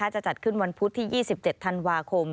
จะจัดขึ้นวันพุธที่๒๗ธันวาคม